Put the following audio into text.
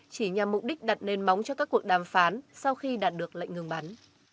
chỉ nhằm mục đích đặt nền móng cho các cuộc đàm phán sau khi đạt được lệnh ngừng bắn